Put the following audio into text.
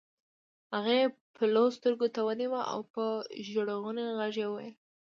هغې پلو سترګو ته ونيوه او په ژړغوني غږ يې وويل.